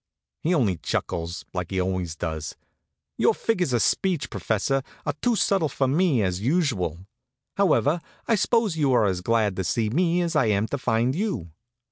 He only chuckles, like he always does. "Your figures of speech, professor, are too subtle for me, as usual. However, I suppose you are as glad to see me as I am to find you."